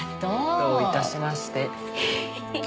どういたしまして。